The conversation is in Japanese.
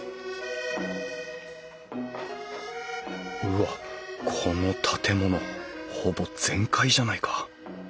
うわっこの建物ほぼ全壊じゃないか。